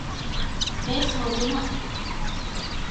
ބޭސް ހޯދުމަށް